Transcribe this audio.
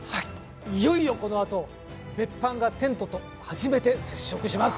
いよいよこのあと別班がテントと初めて接触します。